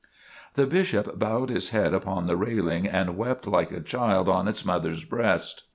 The Bishop bowed his head upon the railing and wept like a child on its mother's breast.